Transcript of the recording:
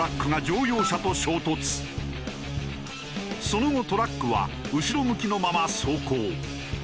その後トラックは後ろ向きのまま走行。